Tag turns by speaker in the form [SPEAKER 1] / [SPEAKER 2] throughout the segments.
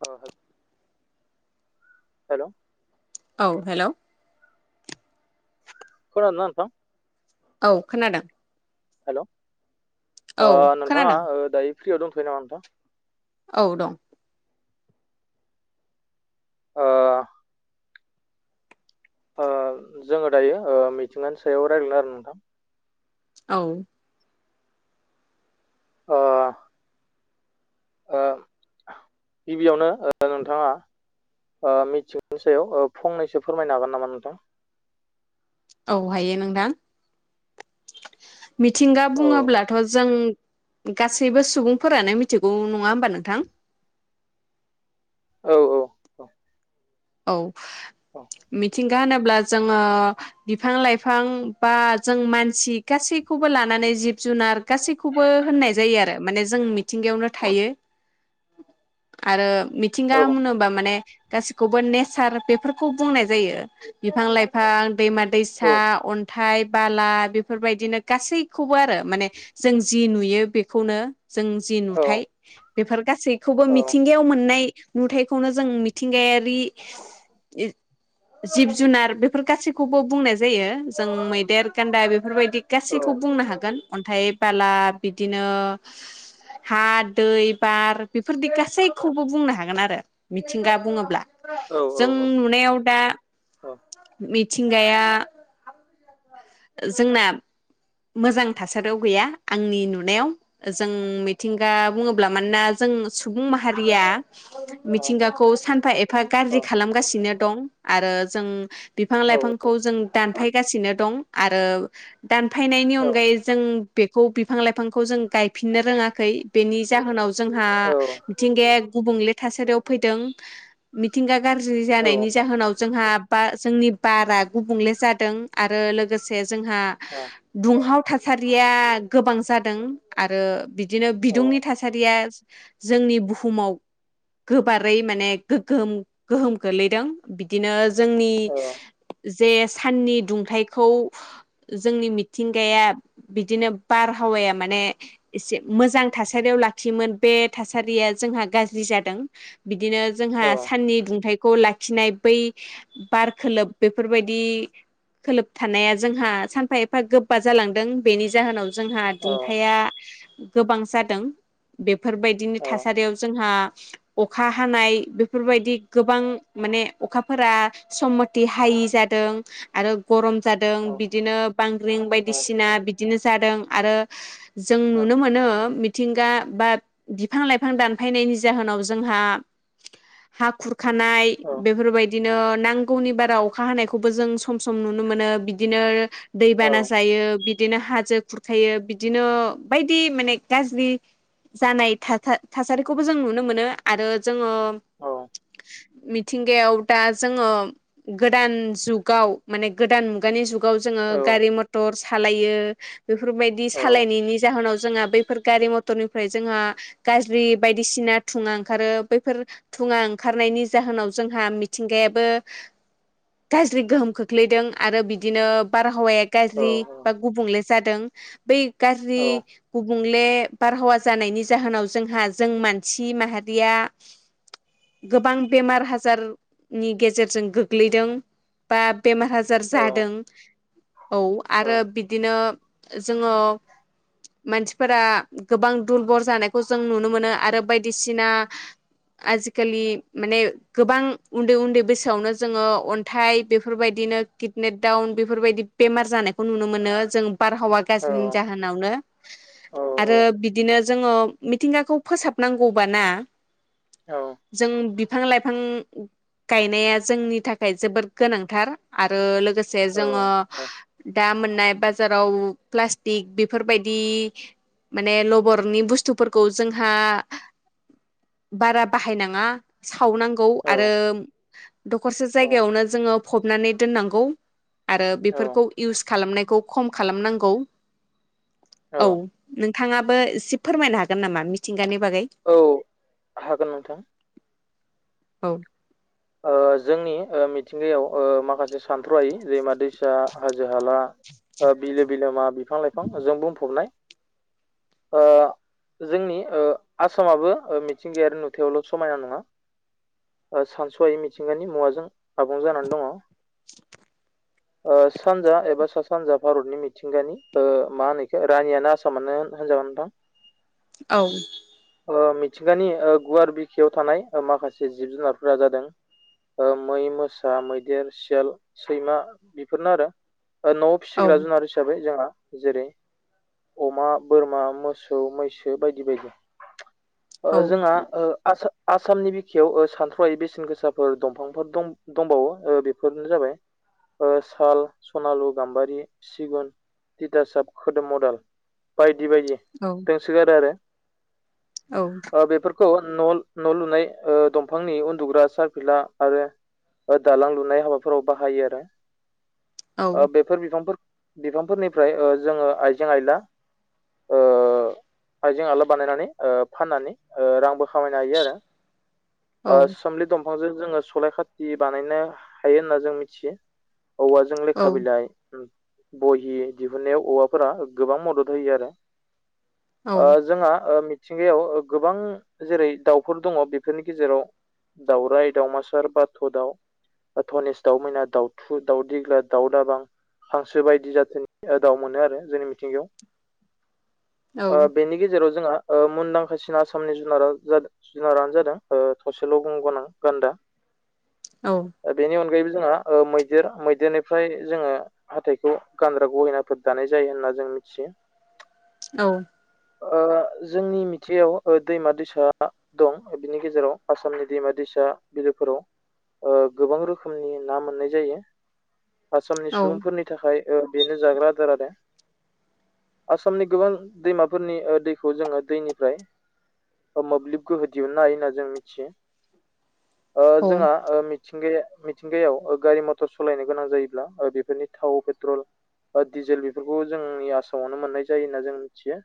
[SPEAKER 1] औ हेलौ
[SPEAKER 2] औ हेलौ
[SPEAKER 1] खोनादोंना नोंथां
[SPEAKER 2] औ खोनादों
[SPEAKER 1] हेल'
[SPEAKER 2] औ
[SPEAKER 1] नोंथाङा
[SPEAKER 2] खोनादों
[SPEAKER 1] दायो फ्रियाव दंथ'यो नामा नोंथां?
[SPEAKER 2] औ दं।
[SPEAKER 1] ओह ओ जोङो दायो ओ मिथिंगानि सायाव रायलायदों आरो नोंथां।
[SPEAKER 2] औ।
[SPEAKER 1] ओ ओ गिबियावनो ओ नोंथाङा ओ मिथिंगानि सायाव फंनैसो फोरमायनो हागोन नामा नोंथां?
[SPEAKER 2] औ हायो नोंथां मिथिंगा
[SPEAKER 1] औ
[SPEAKER 2] बुङोब्लाथ' जों गासैबो सुबुंफोरानो मिथिगौ नङा होमबा नोंथां।
[SPEAKER 1] औ औ।
[SPEAKER 2] औ मिथिंगा होनोब ब्ला जोङो बिफां लाइफां बा जों मानसि गासैखौबो लानानै जिब जुनार गासैखौबो होननाय जायो आरो माने जों मिथिंगायावनो थायो। आरो मिथिंगा
[SPEAKER 1] औ
[SPEAKER 2] होनोबा माने गासिबो खौबो नेचार बेफोरखौ बुंनाय जायो बिफां लाइफां दैमा दैसा अन न्थाइ बाला बेफोरबायदिनो गासैखौबो आरो माने जों जि नुयो बेखौनो जों जि
[SPEAKER 1] औ
[SPEAKER 2] नुथाय बेफोर गासैखौबो
[SPEAKER 1] औ
[SPEAKER 2] मिथिंगायाव मोननाय नुथायखौनो जों मिथिंगायारि रि जिब जुनार बेफोर गासैखौबो बुंनाय जायो जों मैदेर गान्दा बेफोरबायदि गासैखौ बुंनो हागोन अन्थायाइ बाला बिदिनो हा दै बार बेफोरदि गासैखौबो बुंनो हागोन आरो मिथिंगा बुङोब्ला
[SPEAKER 1] औ
[SPEAKER 2] जों
[SPEAKER 1] औ
[SPEAKER 2] नुनायाव दा मिथिंगाया जोंना मोजां थासारियाव गैया आंनि नुनायाव जों मिथिंगा बुङोब्ला मानोना जों जों सुबुं माहारिया मिथिंगाखौ सानफा एफा
[SPEAKER 1] औ
[SPEAKER 2] गाज्रि खालामगासिनो दं आरो जों बिफां लाइफांखौ जों दानफायगासिनो दं आरो दान फायनायनि
[SPEAKER 1] औ
[SPEAKER 2] अनगायै जों बेखौ बिफां लाइफांखौ जों गायफिननो रोङाखै बेनि जाहोनाव जोंहा मिथिंगाया गुबुंले थासारियाव फैदों मिथिंगा गाज्रि जानायनि जाहोनाव जोंहा बा जोंनि बारा गुबुंले जादों आरो लोगोसे जोंहा दुंहाव थासारिया गोबां जादों आरो बिदिनो बिदुंनि थासारिया जोंनि बुहुमाव गोबारै माने गोगगोम गोहोम गोलैदों बिदिनो जोंनि जे साननि दुंथखौ जोंनि मिथिंगाया बिदिनो बारहावाया माने एसे मोजां थासारियाव लाखियोमोन बे बे थासारिया जोंहा गाज्रि जादों बिदिनो जोंहा साननि दुंथखौ ला लाखिनाय बै बार खोलोब बेफोरबायदि खोलोब थानाया जोंहा सानफा एफा गो हफा जालांदों बेनि जाहोनाव जोंहा दुंथाया गोबां जादों बे बेफोरबायदिनि थासारियाव जोंहा अखा हानाय बेफोरबायदि गोबां माने अखाफोरा समति हायो यि जादों आरो गरम जादों बिदिनो बांग्रिं बाय सिना बिदिनो जादों आरो जों नुनो मोनो मिथिंगा बा बिफां लाइफां दानफायनायनि जाहोनाव जोंहा हा खुर खानाय
[SPEAKER 1] औ औ
[SPEAKER 2] बेफोरबायदिनो नांगौनि बाराव अखा हानायखौबो जों सम सम नुनो मोनो बिदिनो दै
[SPEAKER 1] औ
[SPEAKER 2] बाना बिदिनो हाजो खुरखायो बिदिनो बायदि माने गाज्रि जानाय थासारिखौबो जों नुनो मोनो आरो जोङो
[SPEAKER 1] औ
[SPEAKER 2] मिथि मिथिंगायाव दा जोङो गोदान जुगाव माने गोदान मुगानि जग गाव जोङो
[SPEAKER 1] औ
[SPEAKER 2] गारि मथर सालायो बेफोरबायदि
[SPEAKER 1] औ
[SPEAKER 2] सालायनायनि जाहोनाव जोंहा बैफोर गारि मथरनि ओमफ्राय जोंहा गाज्रि बायदिसिना थुङा ओंखारो बैफोर थुङा ओंखारनायनि जाहोनाव जोंहा मिथिंगायाबो गाज्रि गोहोम खोख्लैदों आरो बिदिनो बारहावाया
[SPEAKER 1] औ
[SPEAKER 2] गाज्रि बा गुबुंले जादों। बेै
[SPEAKER 1] औ
[SPEAKER 2] गाज्रि गुबुं ले बारहावा जानायनि जाहोनाव जोंहा जों मानसि माहारिया गोबां बेमार हाजारनि गेजेरजों गोग्लैदों बा बेमार आजार
[SPEAKER 1] औ
[SPEAKER 2] जादों औ आरो बिदिनो जोङो मानसिफोरा गोबां दुरबल जानायखौ जों नुनो मोनो आरो बायदिसिना आजिखालि माने गोबां उन्दै उन्दै बैसोआवनो जोङो अन्थाइ बेफोरबाय दिनो किदने दाउन बेफोरबायदि। बेमार जानायखौ नुनो मोनो जों बारहावा
[SPEAKER 1] औ
[SPEAKER 2] गाज्रिनि जाहोनावनो। आरो बिदिनो जोङो मिथिंगाखौ फोसाबनांगौबाना जों बि बिफां लाइफां गायनाया जोंनि थाखाय जोबोद गोनांथार आरो लोगो से जोङो दा मोननाय बाजाराव प्लास्टिक बेफोरबायदि माने लबरनि बुस्थुफोरखौ जोंहा बारा बाहायनाङा सावनांगौ आरो दखरसे
[SPEAKER 1] औ
[SPEAKER 2] जगायावनो जो फबनानै दोननांगौ आरो
[SPEAKER 1] औ औ
[SPEAKER 2] बेफोरखौ इउस खालामनायखौ खम खालामनांगौ। औ नोंथाङाबो एसे फोरमायनो हागोन नामा मिथिंगानि बागै
[SPEAKER 1] औ हागोन नोंथां।
[SPEAKER 2] औ।
[SPEAKER 1] ओ जोंनि ओ मिथिंगायाव ओ माखासे सानथ'हायै दैमा दैसा हाजो हाला ओ‌ बिलो बिलोमा बिफां लाइफांजों बुंफबनाय ओ जोंनि ओ आसामाबो ओ मिथिंगायारि नुथायावल' समायना नङा ओ सानसहायै मिथिंगानि मुवाजों आबुं जानानै दङ'।
[SPEAKER 2] [inaudible]
[SPEAKER 1] ओ सानजा एबा सा सानजा भारतनि मिथिंगानि ओ मा होनोखौ रानियानो आसामानो होन-होनजागोन नोंथां।
[SPEAKER 2] औ।
[SPEAKER 1] ओ मिथिंगानि ओ गुवार बिखायाव थानाय ओ माखासे जिब जुनारफोरा जादों ओ मै मोसा मैदेर सियाल सैमा बेफोरनो आरो। औ न'आव
[SPEAKER 2] औ
[SPEAKER 1] फिसिग्रा जुनार हिसाबै जोंहा जेरै अमा, बोरमा, मोसौ, मैसो बायदि बायदि। ओ
[SPEAKER 2] औ
[SPEAKER 1] जोंहा ओ आसा-आसामनि बिखायाव सानथ्रहायै बेसेन गो साफोर दंफांफोर दं दंबावो ओ बेफोरनो जाबाय ओ साल, सनालु, गाम्बारि, सिगुन दिथासाब, खोदोम, अदाल बायदि बायदि दोंसोगारो आरो‌।
[SPEAKER 2] औ।
[SPEAKER 1] खौ न' न' लुनाय ओ दंफांनि उन्दुग्रा सार फिला आरो दालां लुनाय हाबाफोराव बाहायो आरो।
[SPEAKER 2] औ
[SPEAKER 1] ओ बेफोर बिफांफोर बिफांफोरनिफ्राय ओ जोङो आइजें आइला ओ आइजें आयला बानायनानै ओ फाननानै ओ रांबो खामायनो हायो आरो। ओ
[SPEAKER 2] औ
[SPEAKER 1] सोमलि दं फांजों जोङो सलाय खाथि बानायनो हायो होनना जों मिथियो। औवाजों
[SPEAKER 2] औ
[SPEAKER 1] लेखा बिलाइ, उम। बहि दिहुननायाव औवाफोरा गोबां मदद होयो आरो। ओ‌ जोंहा ओ मि थिंगायाव गोबां जेरै दाउफोर दङ बेफोरनि गेजेराव दाउराइ, दावमासार, बाथ' दाउ धनेस, दाउमैना, दाउथु, दाउदग्रा, दाउ दाबां हांसो बायदि जाथोननि दाउ मोनो आरो जोंनि मिथिंगायाव। ओ बेनि गेजेराव जोङो ओ मुनदांखासिन आसामनि जुनार जुनारानो जादों ओ थसेल' गं गोनां गान्दा
[SPEAKER 2] औ-औ-औ-औ-औ-औ
[SPEAKER 1] बेनि अनगायैबो जोंहा ओ मैदेर मैदेरनिफ्राय जोङो हाथाइखौ गानग्रा गहेनाफोर दानाय जायो होनना जों मिथियो।
[SPEAKER 2] औ।
[SPEAKER 1] ओ जोंनि मिथिंगायाव दैमा दैसा दं बिनि गेजेराव आसामनि दैमा दैसा बा बिलोफोराव गोबां रोखोमनि ना मोननाय जायो। आसामनि सुबुंफोरनि थाखाय बेनो जाग्रा आदार आरो। आसामनि गोबां दैमाफोरनि दैखौ जोङो दैनिफ्राय मोब्लिब गोहो दिहुननो हायो होनना जों मिथियो। ओ जोंहा मिथिंगाया मिथिंगायाव गारि मथर सालायनो गोनां जायोब्ला बेफोरनि थाव पेट्रल दिडिजेल बेफोरखौ जोंनि आसामावनो मोननाय जायो होनना जों मिथियो।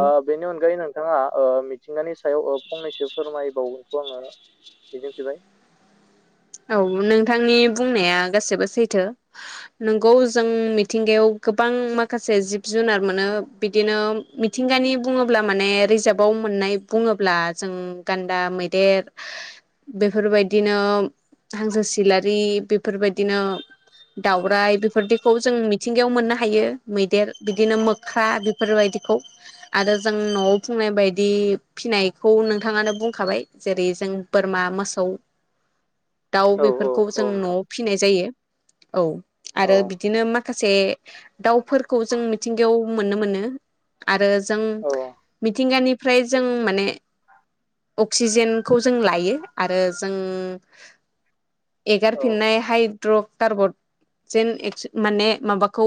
[SPEAKER 1] ओ बेनि अनगायै नोंथाङा मिथिंगानि सायाव फंनैसो फोरमायबावो [unintelligible] मिजिंफिबाय
[SPEAKER 2] औ नोंथांनि बुंनाया गासैबो सैथो नंगौ जों मिथिंगायाव गोबां माखासे जिब जुनार मोनो बिदिनो मिथिंगानि बुङोब्ला माने रिजाबाव मोननाय बुङोब्ला जों गान्दा मैदेर बेफोरबायदिनो हांसो सिलारि बेफोरबायदिनो दाउरायाइ बेफोरबायदिखौ जों मिथिंगायाव मोननो हायो मैदेर बिदिनो मोख्रा बेफोरबायदि खौ आरो जों न'आव बुंनाय बायदि फिनायखौ नोंथाङानो बुंखाबाय जेरै जों बोरमा मोसौ दाउ
[SPEAKER 1] औ औ
[SPEAKER 2] बेफोरखौ जों
[SPEAKER 1] औ नोंथां
[SPEAKER 2] न'आव फिसिनाय जायो औ
[SPEAKER 1] औ
[SPEAKER 2] आरो बिदिनो मा खासे दावउफोरखौ जों मिथिंगायाव मोननो मोनो। आरो जों
[SPEAKER 1] औ
[SPEAKER 2] मिथिंगानिफ्राय जों माने अक्सिजेनखौ जों लायो आरो जों एगार
[SPEAKER 1] औ
[SPEAKER 2] फिनाय हाइड्र कारबट जेन माने माबाखौ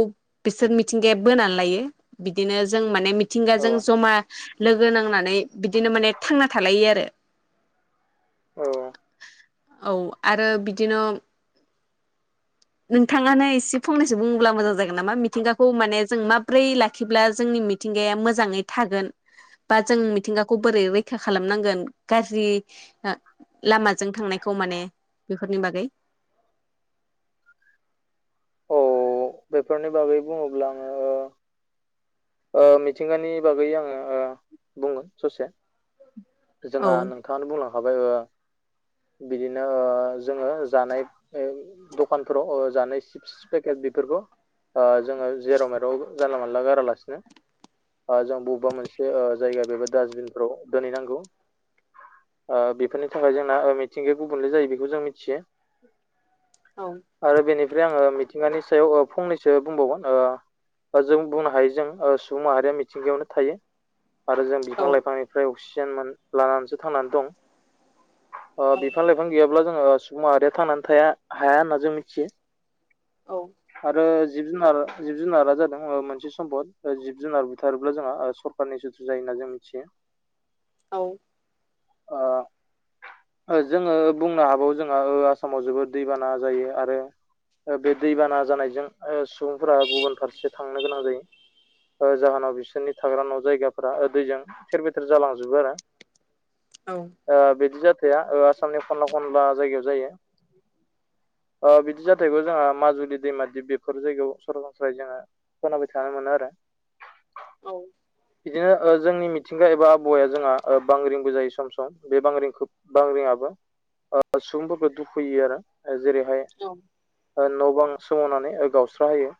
[SPEAKER 2] बिसोर मिथिंगाया बोनानै लायो बिदिनो जों माने
[SPEAKER 1] औ
[SPEAKER 2] मिथिंगाजों जमा लोगो नांनानै बिदिनो माने थांना थालायो आरो।
[SPEAKER 1] औ।
[SPEAKER 2] औ आरो बिदिनो नोंथाङानो एसे फंनैसो बुङोब्ला मोजां जागोन नामा मिथिंगाखौ माने जों माब्रै लाखिब्ला जोंनि मिथिंगाया मोजाङै थागोन। बा जों मिथिंगाखौ बोरै रैखा खालामनांगोन गाज्रि लामाजों थांनायखौ माने बेफोरनि बागै
[SPEAKER 1] औ बेफोरनि बागै बुङोब्ला आङो ओ मिथिंगानि बागै आङो बुंगोन ससे।
[SPEAKER 2] औ
[SPEAKER 1] जोंहा नोंथाङानो बुंलांखाबाय बिदिनो जोङो जानाय दखानफोराव जानाय सिप्स पेकेट बेफोरखौ जोङो जेराव मेराव जानला मानला गारालासिनो जों बबेबा मोनसे जायगा बेबा डास्बिनफ्राव दोनहैनांगौ। बेफोरनि थाखाय जोंना मिथिंगाया गुबुनले जायो बेखौ जों मिथियो।
[SPEAKER 2] औ
[SPEAKER 1] आरो बेनिफ्राय आङो मिथिंगानि सायाव फंनै - सो बुंबावगोन आ जों बुंनो हायो जों सुबुं माहारिया मिथिंगायावनो थायो। आरो जों
[SPEAKER 2] औ
[SPEAKER 1] बिफां लाइफांनिफ्राय अक्सिजेन लानानैसो थांनानै दं बिफां लाइफां गैयाब्ला जोङो सुबुं माहारिया थांनानै थाया हाया होनना जों मिथियो।
[SPEAKER 2] औ
[SPEAKER 1] आरो जिब जुनार जिब जुनारा जादों मोनसे सम्पद जिब जुनार बुथारोब्ला जोंहा सरखारनि सुथुर जायो जों मिथियो
[SPEAKER 2] [inaudible]
[SPEAKER 1] ओ जोङो बुंनो हाबावो जोंहा आसामाव जोबोद दैबाना जायो आरो। बे दैबाना जानायजों सुबुंफोरा गुबुन फारसे थांनो गोनां जायो। जाहोनाव बिसोरनि थाग्रा न' जायगाफोरा दैजों थेर बेथेर जालांजोबो आरो
[SPEAKER 2] औ
[SPEAKER 1] ओ बिदि जाथाया ओ आसामनि खनला खनला जायगायाव जायो। [inaudible] ओ बिदि जाथायखौ जोंहा माजुलि दैमा दिप बेफोर जायगायाव सरासनस्राय जोङो खोनाबाय थानो मोनो आरो [inaudible]
[SPEAKER 2] औ।
[SPEAKER 1] बिदिनो जोंनि मिथिंगा एबा आबहावाया जोंहा ओ बांग्रिंबो जायो सम सम बे बांग्रिंखौ बांग्रिंआबो ओ सुबुंफोरखौ दुखु होयो आरो जेरैहाय
[SPEAKER 2] औ
[SPEAKER 1] न' बां सोमावनानै गावस्रा होयो।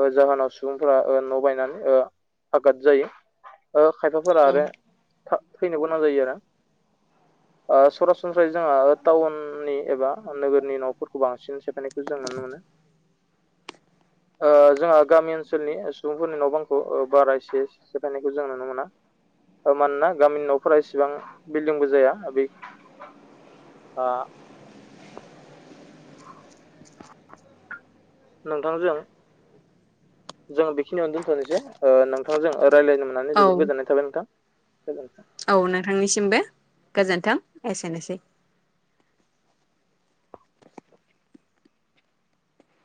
[SPEAKER 1] ओ जाहोनाव सुबुंफोरा ओ न' बायनानै आगाद जायो। ओ खायफाफोरा
[SPEAKER 2] औ
[SPEAKER 1] आरो थैनो गोनां जायो आरो ओ सरा - सनस्रायै जोंहा टाउननि एबा नोगोरनि न'फोरखौ बांसिन सेफायनायखौ जों नुनो मोनो। ओ जोंहा गामि ओनसोलनि सुबुंफोरनि न' बांखौ बारा एसे सेफायनायखौ जों नुनो मोना। ओ मानोना गामिनि न'फोरा एसेबां बिल्डिंबो जाया बे ओ नोंथांजों जों बेखिनियावनो दोनथनोसै नोंथांजों रायज्लायनो मोननानै जोबोद
[SPEAKER 2] औ
[SPEAKER 1] गोजोननाय थाबाय नोंथां। गोजोनथों
[SPEAKER 2] औ नोंथांनिसिम बो गोजोन्थों एसेनोसै।